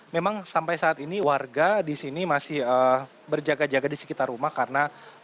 memang sampai saat ini warga di sini masih berjaga jaga di sekitar rumah karena